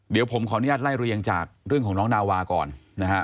เดี๋ยวผมขออนุญาตไล่เรียงจากเรื่องของน้องนาวาก่อนนะฮะ